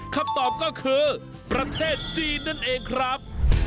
คำตอบก็คือประเทศจีนนั่นเองครับ